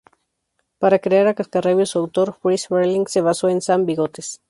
Para crear a Cascarrabias, su autor, Friz Freleng, se basó en Sam Bigotes.